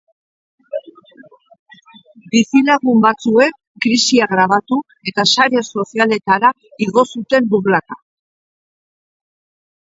Bizilagun batzuek krisia grabatu eta sare sozialetara igo zuten, burlaka.